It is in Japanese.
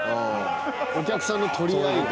お客さんの取り合いよ。